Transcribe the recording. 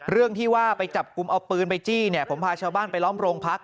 เรื่องที่ว่าไปจับกลุ่มเอาปืนไปจี้เนี่ยผมพาชาวบ้านไปล้อมโรงพัก